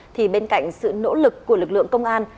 thì bên cạnh sự nỗ lực của lực lượng công an